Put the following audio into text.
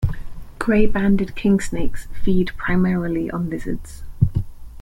Gray-banded kingsnakes feed primarily on lizards.